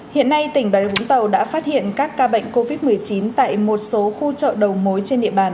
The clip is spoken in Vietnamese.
hiện nay tỉnh bà rịa vũng tàu đã phát hiện các ca bệnh covid một mươi chín tại một số khu chợ đầu mối trên địa bàn